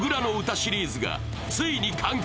シリーズがついに完結。